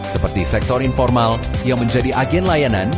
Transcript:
seperti sektor informal yang menjadi agen layanan